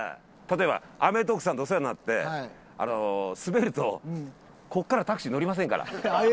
例えば『アメトーーク』さんでお世話になってスベるとここからタクシー乗りませんから。